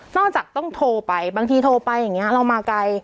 จากต้องโทรไปบางทีโทรไปอย่างนี้เรามาไกล